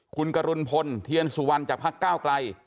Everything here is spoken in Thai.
คุณกระรุนพลเทียนสุวัลจากภักดิ์ก้าวกลาย